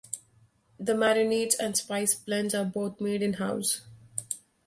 The marinades and spice blends are both made in house.